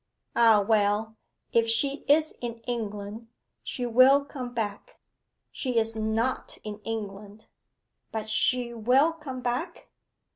Ah, well if she is in England, she will come back.' 'She is not in England.' 'But she will come back?